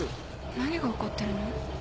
何が起こってるの？